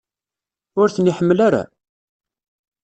Ur ten-iḥemmel ara?